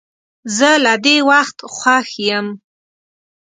زه له دې وخت خوښ یم.